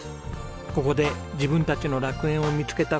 ここで自分たちの楽園を見つけた２組のご家族。